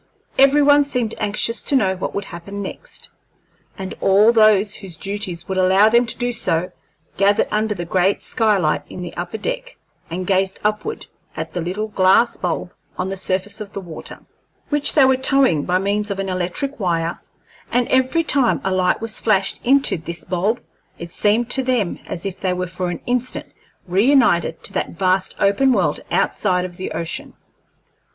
Every one seemed anxious to know what would happen next, and all those whose duties would allow them to do so gathered under the great skylight in the upper deck, and gazed upward at the little glass bulb on the surface of the water, which they were towing by means of an electric wire; and every time a light was flashed into this bulb it seemed to them as if they were for an instant reunited to that vast open world outside of the ocean.